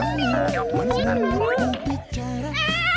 kamu selalu berbicara